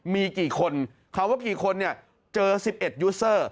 มีกี่คนคำว่ากี่คนเนี่ยเจอ๑๑ยูเซอร์